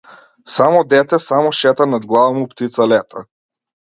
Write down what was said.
Само дете, само шета над глава му птица лета.